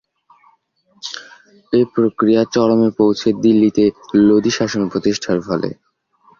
এ প্রক্রিয়া চরমে পৌঁছে দিলিতে লোদী শাসন প্রতিষ্ঠার ফলে।